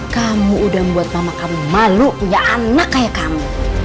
kamu udah membuat mama kamu malu ya anak kayak kamu